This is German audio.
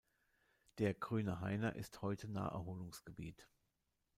Der "Grüne Heiner" ist heute Naherholungsgebiet.